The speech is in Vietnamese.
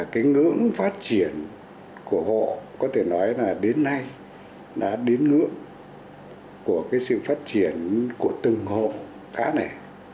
cái ngưỡng phát triển của hộ có thể nói là đến nay đã đến ngưỡng của cái sự phát triển của từng hộ cá này